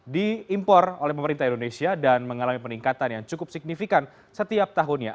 diimpor oleh pemerintah indonesia dan mengalami peningkatan yang cukup signifikan setiap tahunnya